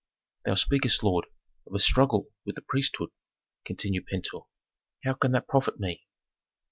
"Thou speakest, lord, of a struggle with the priesthood," continued Pentuer. "How can that profit me?